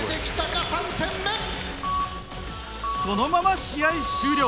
そのまま試合終了。